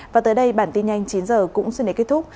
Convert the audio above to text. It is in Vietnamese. và tới đây bản tin nhanh chín h cũng xin để kết thúc